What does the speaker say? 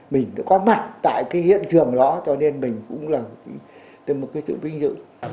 mình có mặt tại cái hiện trường đó cho nên mình cũng là một cái tự vinh dự